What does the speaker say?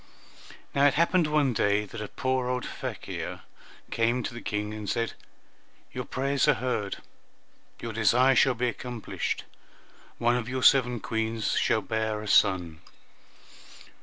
Now it happened one day that a poor old fakir came to the King and said, "Your prayers are heard, your desire shall be accomplished, and one of your seven Queens shall bear a son."